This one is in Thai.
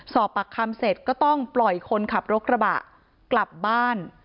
สอบปากคำเสร็จก็ต้องปล่อยคนขับรถกระบะกลับบ้าน